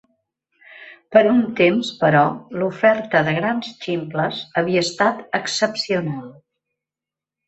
Per un temps, però, l'oferta de "grans ximples" havia estat excepcional.